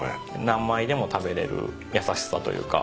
何枚でも食べれる優しさというか。